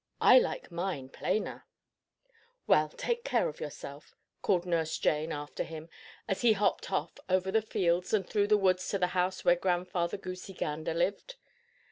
I like mine plainer." "Well, take care of yourself," called Nurse Jane after him as he hopped off over the fields and through the woods to the house where Grandfather Goosey Gander lived.